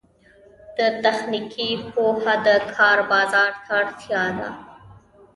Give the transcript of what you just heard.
تخنیکي پوهه د کار بازار ته اړتیا ده